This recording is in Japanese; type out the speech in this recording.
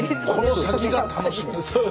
この先が楽しみです。